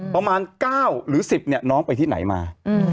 ประมาณ๙หรือ๑๐เนี่ยน้องไปที่ไหนมา